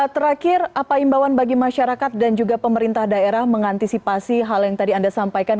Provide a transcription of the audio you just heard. terakhir apa imbauan bagi masyarakat dan juga pemerintah daerah mengantisipasi hal yang tadi anda sampaikan